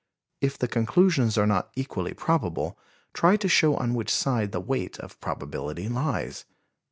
If the conclusions are not equally probable, try to show on which side the weight of probability lies.